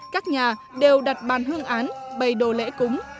các nhà đều đặt bàn hương án bày đồ lễ cúng